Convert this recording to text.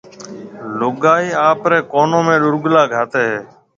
لوگائيَ آپريَ ڪونون ۾ ڏُرگلا گھاتيَ ھيََََ